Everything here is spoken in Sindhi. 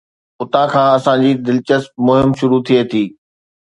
اتان کان اسان جي دلچسپ مهم شروع ٿئي ٿي.